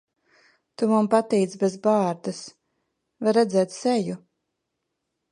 Tu man patīc bez bārdas. Var redzēt seju.